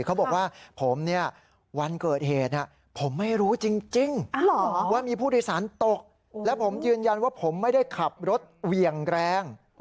เขาบอกว่าผมวันเกิดเหตุผมไม่รู้จริง